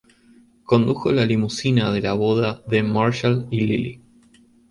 Condujo la limusina dela boda de Marshall y Lily.